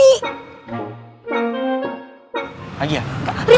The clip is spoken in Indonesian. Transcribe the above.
lagi ya kak